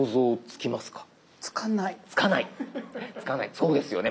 そうですよね